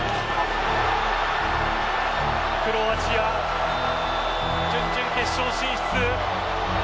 クロアチア準々決勝進出。